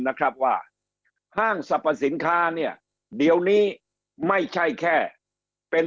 นะครับว่าห้างสรรพสินค้าเนี่ยเดี๋ยวนี้ไม่ใช่แค่เป็น